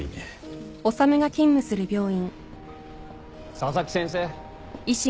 ・佐々木先生。